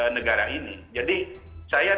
negara ini jadi saya